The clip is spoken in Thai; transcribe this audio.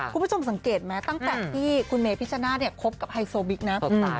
คุณผู้ชมสังเกตไหมตั้งแต่ที่คุณเมพิชนาธิคบกับไฮโซบิ๊กนะ